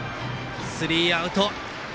スリーアウト。